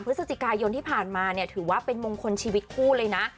พฤศจิกายนที่ผ่านมาเนี่ยถือว่าเป็นมงคลชีวิตคู่เลยนะ